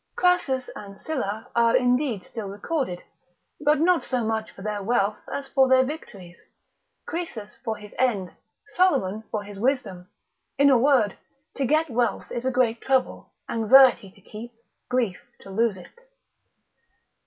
Crassus and Sylla are indeed still recorded, but not so much for their wealth as for their victories: Croesus for his end, Solomon for his wisdom. In a word, to get wealth is a great trouble, anxiety to keep, grief to lose it.